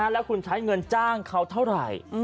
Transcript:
แล้วคุณใช้เงินจ้างเขาเท่าไหร่